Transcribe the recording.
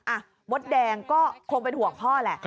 มดแดงก็คงเป็นห่วงพ่อแหละ